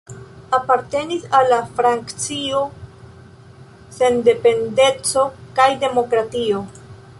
Apartenis al la Frakcio Sendependeco kaj Demokratio.